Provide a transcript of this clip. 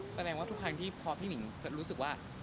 แสดงว่าทุกครั้งที่พอพี่หนิงจะรู้สึกว่า